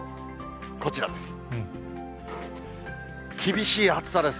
こちらです。